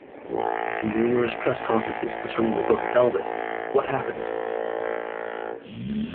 In numerous press conferences concerning the book Elvis, What Happened?